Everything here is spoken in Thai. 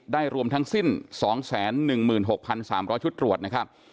รวมทั้งสิ้น๒๑๖๓๐๐ชุดตรวจนะครับ